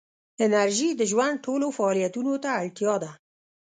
انرژي د ژوند ټولو فعالیتونو ته اړتیا ده.